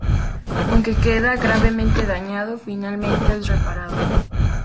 Aunque queda gravemente dañado, finalmente es reparado.